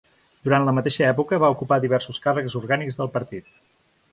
Durant la mateixa època va ocupar diversos càrrecs orgànics del partit.